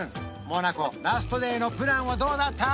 モナコラストＤＡＹのプランはどうだった？